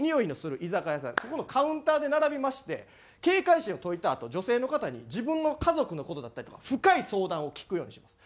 そこのカウンターで並びまして警戒心を解いたあと女性の方に自分の家族の事だったりとか深い相談を聞くようにします。